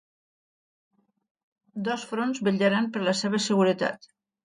Dos fronts vetllaran per la seva seguretat.